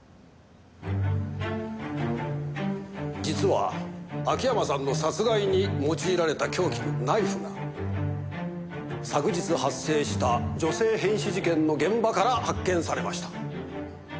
実は秋山さんの殺害に用いられた凶器のナイフが昨日発生した女性変死事件の現場から発見されました。